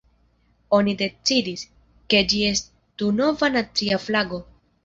Oni decidis, ke ĝi estu nova nacia flago.